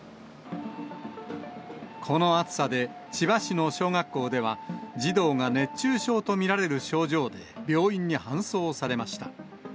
この暑さで千葉市の小学校では、児童が熱中症と見られる症状で病院に搬送されました。